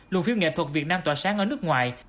lụa phim nghệ thuật việt nam tỏa sáng ở nước ngoài